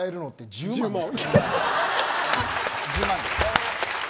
１０万円です。